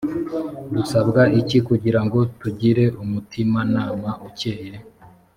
dusabwa iki kugira ngo tugire umutimanama ukeye